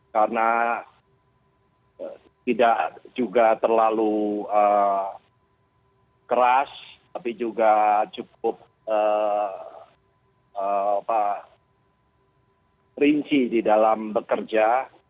karena tidak juga terlalu keras tapi juga cukup rinci di dalam bekerja